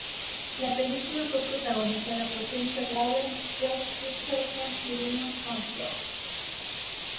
La película fue protagonizada por Jennifer Lawrence, Josh Hutcherson y Liam Hemsworth.